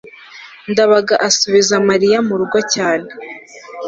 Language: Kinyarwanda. ndabaga asubiza mariya mu rugo cyane